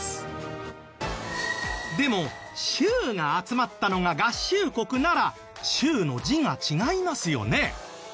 でも州が集まったのが合衆国なら「衆」の字が違いますよね。